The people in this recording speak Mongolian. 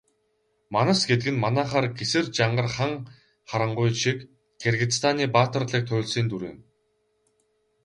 Манас гэдэг нь манайхаар Гэсэр, Жангар, Хан Харангуй шиг Киргизстаны баатарлаг туульсын дүр.